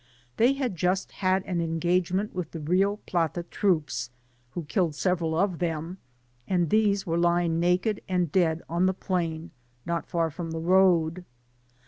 They had just had an engagement with the Rio Plata troops, who killed Several of them, and these were lying naked and dead on the plain not far from the road.